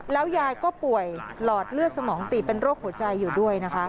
แล้วยายก็ป่วยหลอดเลือดสมองตีบเป็นโรคหัวใจอยู่ด้วยนะคะ